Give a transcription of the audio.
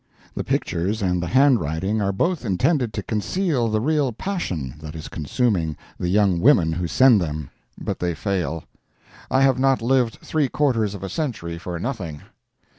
The pictures and the handwriting are both intended to conceal the real passion that is consuming the young women who send them—but they fail. I have not lived three quarters of a century for nothing.